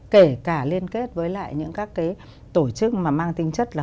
kể cả liên kết với lại những các cái tổ chức mà mang tính chất là